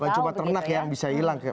cuma ternak yang bisa hilang